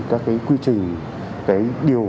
các quy trình điều